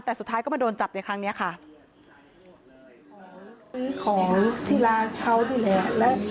แต่สุดท้ายก็มาโดนจับในครั้งเนี้ยค่ะซื้อของที่ร้านเขานี่แหละ